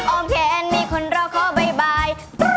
ออมแพงนี่คนเราขอบ๊ายบาย